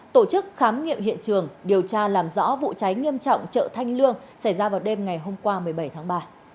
tổ chức khám nghiệm hiện trường điều tra làm rõ vụ cháy nghiêm trọng chợ thanh lương xảy ra vào đêm ngày hôm qua một mươi bảy tháng ba